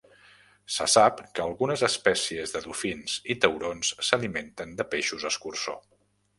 Se sap que algunes espècies de dofins i taurons s'alimenten de peixos escurçó.